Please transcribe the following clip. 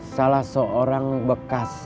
salah seorang bekas